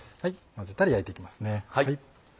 混ぜたら焼いていきますね。